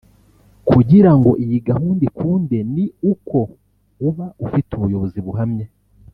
Kugira ngo iyi gahunda ikunde ni uko uba ufite ubuyobozi buhamye